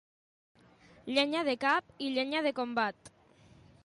Llenya de cap i llenya de combat.